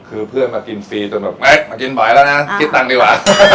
คือเพื่อนมากินฟรีจนแบบมากินบ่อยแล้วนะคิดตังค์ดีกว่า